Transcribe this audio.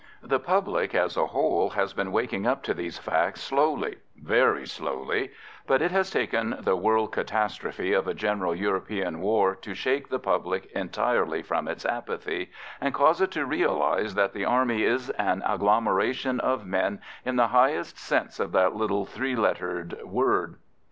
The public as a whole has been waking up to these facts slowly very slowly but it has taken the world catastrophe of a general European war to shake the public entirely from its apathy, and cause it to realise that the Army is an agglomeration of men in the highest sense of that little three lettered word.